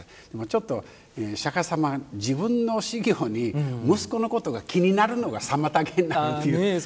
ちょっと釈迦様自分の修行に息子のことが気になるのが妨げになるという。